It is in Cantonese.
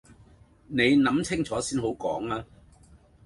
你諗清楚先好講呀